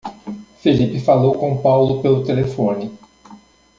Felipe falou com Paulo pelo telefone.